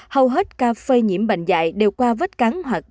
hầu hết ca phê nhiễm bệnh dạy đều qua vết cắn hoặc vết lửa